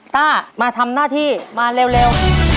ต้ามาทำหน้าที่มาเร็ว